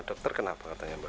dokter kenapa katanya mbak